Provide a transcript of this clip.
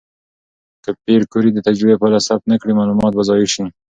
که پېیر کوري د تجربې پایله ثبت نه کړي، معلومات به ضایع شي.